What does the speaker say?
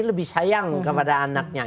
lebih sayang kepada anaknya